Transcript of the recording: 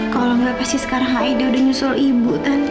kalau nggak pasti sekarang aida udah nyusul ibu tante